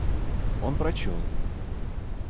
Он прочел.